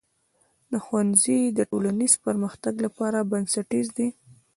ښوونځی د ټولنیز پرمختګ لپاره بنسټیز دی.